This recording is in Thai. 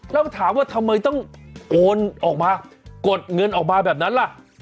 แล้วถามว่าทำไมต้องโอนออกมากดเงินออกมาแบบนั้นล่ะ